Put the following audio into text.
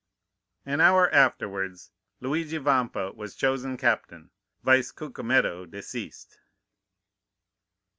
"An hour afterwards Luigi Vampa was chosen captain, vice Cucumetto, deceased."